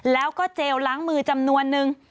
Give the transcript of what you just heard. แล้วก็เจลล้างมือจำนวนนึง